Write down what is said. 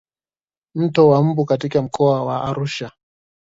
Mto wa mbu katika mkoa wa Arusha